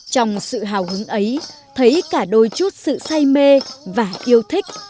trong sự hào hứng ấy thấy cả đôi chút sự say mê và yêu thích